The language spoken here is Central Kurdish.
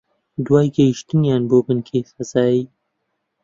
دوای گەیشتنیان بۆ بنکەی فەزایی